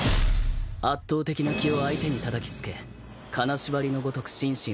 圧倒的な気を相手にたたきつけ金縛りのごとく心身を硬直させる。